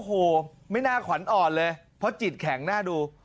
โอ้โหไม่น่าขวัญอ่อนเลยเพราะจิตแข็งน่าดู